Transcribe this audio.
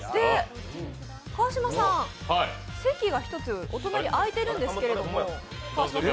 川島さん、席が一つお隣空いているんですけれども。